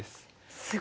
すごい。